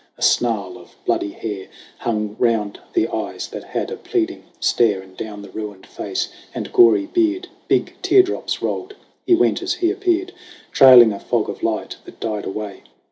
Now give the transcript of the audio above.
A snarl of bloody hair Hung round the eyes that had a pleading stare, And down the ruined face and gory beard Big tear drops rolled. He went as he appeared, Trailing a fog of light that died away.